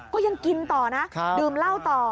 ก็ยังกินต่อนะดื่มเหล้าต่อ